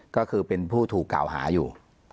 ก็คือเป็นผู้ถูกกล่าวหาอยู่